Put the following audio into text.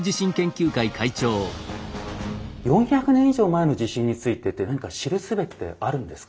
４００年以上前の地震についてって何か知るすべってあるんですか？